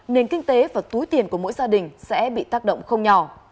nền kinh tế và túi tiền của mỗi gia đình sẽ bị tác động không nhỏ